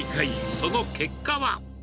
その結果は。